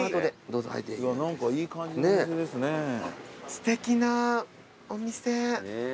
すてきなお店。